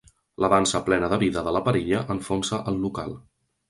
La dansa plena de vida de la parella enfonsa el local.